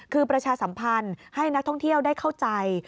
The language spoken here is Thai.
คือประชาสัมพันธ์ให้นักท่องเที่ยวได้เข้าใจ